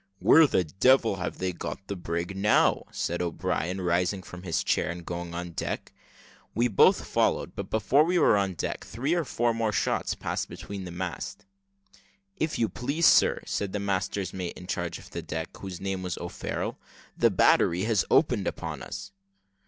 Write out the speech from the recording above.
"Where the devil have they got the brig now?" said O'Brien, rising from his chair, and going on deck. We both followed; but before we were on deck, three or four more shots passed between the masts. "If you please, sir," said the master's mate in charge of the deck, whose name was O'Farrel, "the battery has opened upon us."